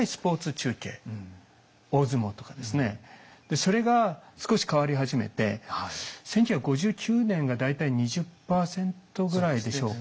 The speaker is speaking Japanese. それが少し変わり始めて１９５９年が大体２０％ぐらいでしょうか。